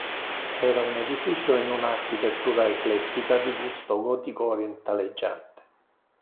Era un edificio in una architettura eclettica di gusto gotico-orientaleggiante.